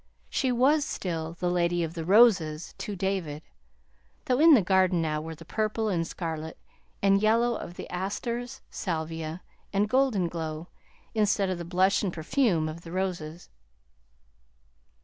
She was still the Lady of the ROSES to David, though in the garden now were the purple and scarlet and yellow of the asters, salvia, and golden glow, instead of the blush and perfume of the roses.